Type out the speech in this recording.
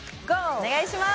お願いします